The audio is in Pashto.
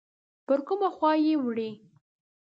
پر کومه خوا یې وړي؟